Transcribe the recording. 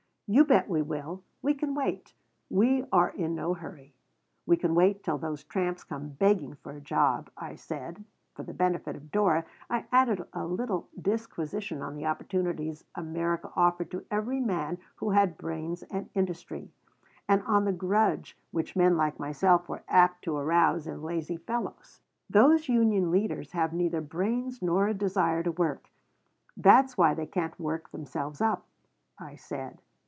"You bet we will. We can wait. We are in no hurry. We can wait till those tramps come begging for a job," I said. For the benefit of Dora I added a little disquisition on the opportunities America offered to every man who had brains and industry, and on the grudge which men like myself were apt to arouse in lazy fellows. "Those union leaders have neither brains nor a desire to work. That's why they can't work themselves up," I said.